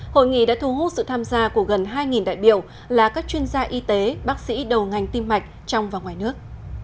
hội nghị đã thu hút sự tham gia của gần hai đại biểu là các chuyên gia y tế bác sĩ đầu ngành tim mạch trong và ngoài nước